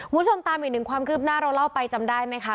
คุณผู้ชมตามอีกหนึ่งความคืบหน้าเราเล่าไปจำได้ไหมคะ